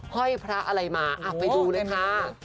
ห้อยพระอะไรมาไปดูเลยค่ะ